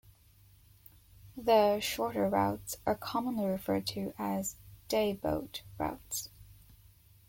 The shorter routes are commonly referred to as "day boat" routes.